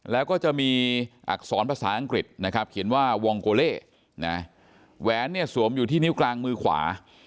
แล้วก็จะมีอักษรภาษาอังกฤษนะครับเขียนว่าวองโกเล่นะแหวนเนี่ยสวมอยู่ที่นิ้วกลางมือขวา